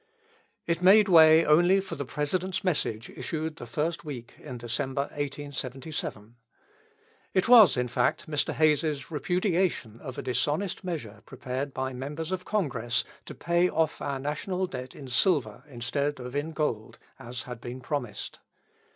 It made way only for the President's message issued the first week in December, 1877. It was, in fact, Mr. Hayes's repudiation of a dishonest measure prepared by members of Congress to pay off our national debt in silver instead of in gold as had been promised.